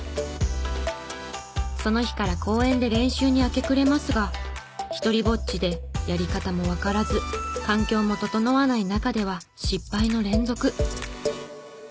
その日から公園で練習に明け暮れますが独りぼっちでやり方もわからず環境も整わない中では失敗の連続。